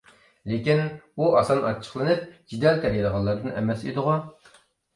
لېكىن، ئۇ ئاسان ئاچچىقلىنىپ، جېدەل تېرىيدىغانلاردىن ئەمەس ئىدىغۇ؟